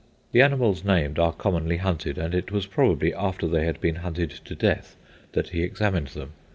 The animals named are commonly hunted, and it was probably after they had been hunted to death that he examined them.